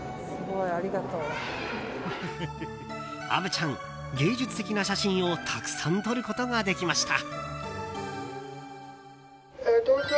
虻ちゃん、芸術的な写真をたくさん撮ることができました。